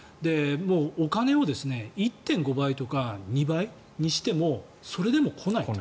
お金を１．５倍とか２倍にしてもそれでも来ないと。